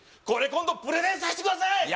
これ今度プレゼンさせてください！